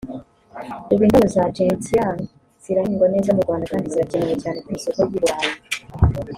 ubu indabo za Gentian zirahingwa neza mu Rwanda kandi zirakenewe cyane ku isoko ry’i Burayi